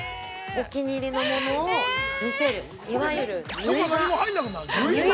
◆お気に入りのものを見せるいわゆる、ぬいバ。